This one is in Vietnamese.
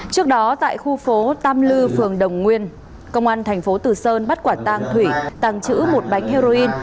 trước đó tại khu phố tam lư phường đồng nguyên công an thành phố từ sơn bắt quả tang thủy tàng trữ một bánh heroin